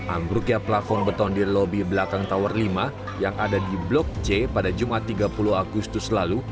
ambruknya plafon beton di lobi belakang tower lima yang ada di blok c pada jumat tiga puluh agustus lalu